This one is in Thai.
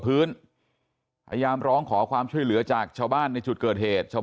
พื้นพยายามร้องขอความช่วยเหลือจากชาวบ้านในจุดเกิดเหตุชาว